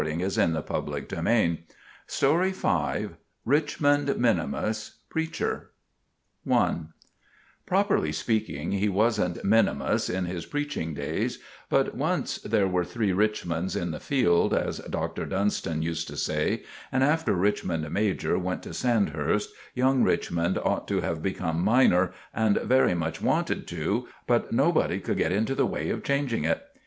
Which was done. *RICHMOND MINIMUS, PREACHER* *No. V* *RICHMOND MINIMUS, PREACHER* *I* Properly speaking he wasn't 'minimus' in his preaching days; but once there were three Richmonds in the field, as Dr. Dunstan used to say, and after Richmond major went to Sandhurst, young Richmond ought to have become 'minor,' and very much wanted to, but nobody could get into the way of changing it.